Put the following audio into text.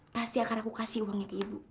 pasti akan aku kasih uangnya ke ibu